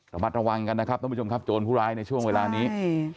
ระมัดระวังกันนะครับท่านผู้ชมครับโจรผู้ร้ายในช่วงเวลานี้